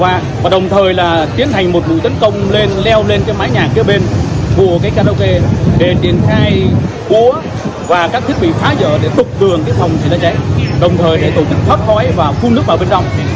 và đồng thời là tiến hành một bụi tấn công lên leo lên cái mái nhà kia bên của cái karaoke để triển khai bố và các thiết bị phá dở để tục tường cái phòng chế cháy đồng thời để tổ chức thoát khói và phun nước vào bên trong